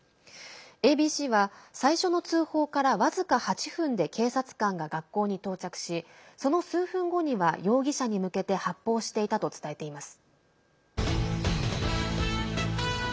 ＡＢＣは最初の通報から僅か８分で警察官が学校に到着しその数分後には容疑者に向けて発砲していたと伝えています。